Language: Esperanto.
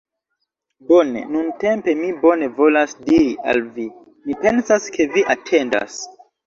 Bone, nuntempe mi bone volas diri al vi. Mi pensas ke vi atendas.